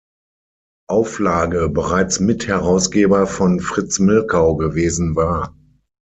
Auflage bereits Mitherausgeber von Fritz Milkau gewesen war.